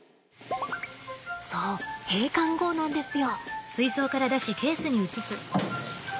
そう閉館後なんですよ。